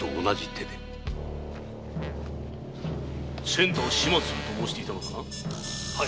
「仙太を始末する」と申していたのだな